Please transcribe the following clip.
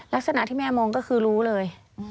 ลักษณะที่แม่มองก็คือรู้เลย